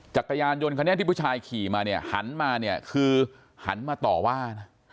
จักรยานยนต์คันนี้ที่ผู้ชายขี่มาเนี่ยหันมาเนี่ยคือหันมาต่อว่านะ